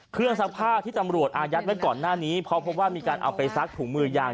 ซักผ้าที่ตำรวจอายัดไว้ก่อนหน้านี้เพราะพบว่ามีการเอาไปซักถุงมือยาง